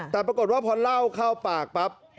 แต่ปรากฏว่าพอเล่าเข้าปากปั๊บ